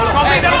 kabur kabur kabur